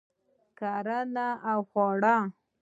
کرنه او خواړه